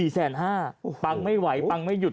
๔๕๐๐๐๐บาทปังไม่ไหวปังไม่หยุด